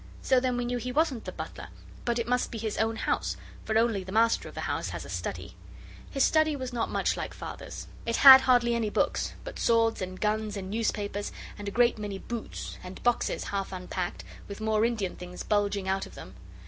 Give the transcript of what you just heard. So then we knew he wasn't the butler, but it must be his own house, for only the master of the house has a study. His study was not much like Father's. It had hardly any books, but swords and guns and newspapers and a great many boots, and boxes half unpacked, with more Indian things bulging out of them.